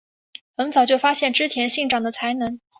很早就发现织田信长的才能。